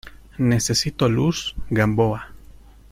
necesito luz, Gamboa.